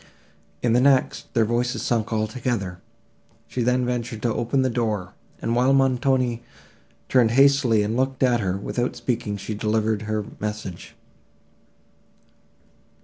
In the next, their voices sunk all together; she then ventured to open the door, and, while Montoni turned hastily and looked at her, without speaking, she delivered her message.